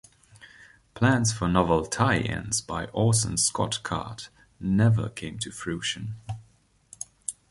Plans for novel tie-ins by Orson Scott Card never came to fruition.